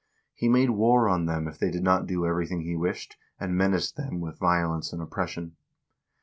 He made war on them if they did not do everything he wished, and menaced them with violence and oppression.